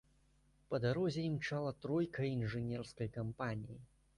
Па дарозе імчала тройка інжынерскай кампаніі.